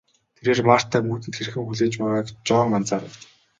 Тэрээр Мартаг үүдэнд хэрхэн хүлээж байгааг Жон анзаарав.